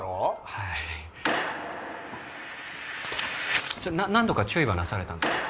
はい何度か注意はなされたんですか？